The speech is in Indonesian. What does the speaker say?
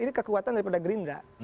ini kekuatan daripada gerindra